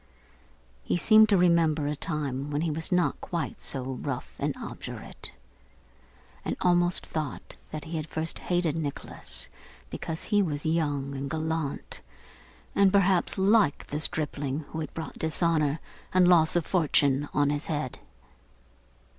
He seemed to remember a time when he was not quite so rough and obdurate; and almost thought that he had first hated Nicholas because he was young and gallant, and perhaps like the stripling who had brought dishonour and loss of fortune on his head.